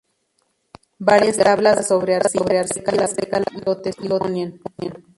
Varias tablas grabadas sobre arcilla seca lo testimonian.